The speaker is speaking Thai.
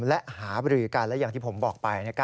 และหาบริกันและอย่างที่ผมบอกไป